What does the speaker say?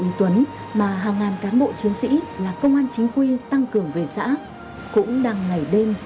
anh tuấn mà hàng ngàn cán bộ chiến sĩ là công an chính quy tăng cường về xã cũng đang ngày đêm